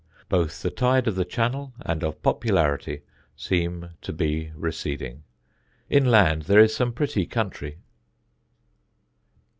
Both the tide of the Channel and of popularity seem to be receding. Inland there is some pretty country.